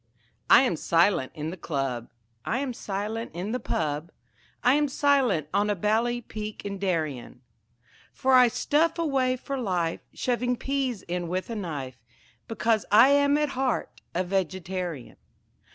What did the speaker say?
I am silent in the Club, I am silent in the pub., I am silent on a bally peak in Darien; For I stuff away for life Shoving peas in with a knife, Because I am at heart a Vegetarian.